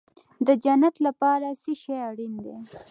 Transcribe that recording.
د جنت لپاره څه شی اړین دی؟